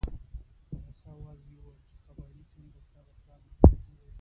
په رسا اواز یې وویل چې قبایلي څنډه ستا د پلار ملکیت نه دی.